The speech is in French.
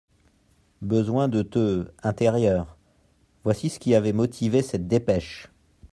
Besoin de te »_Intérieur._» Voici ce qui avait motivé cette dépêche.